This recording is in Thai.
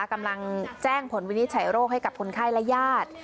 กำลังแจ้งผลวินิจฉัยโรคให้กับคนไข้และญาติ